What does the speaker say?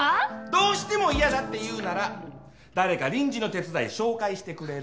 どうしても嫌だっていうなら誰か臨時の手伝い紹介してくれる？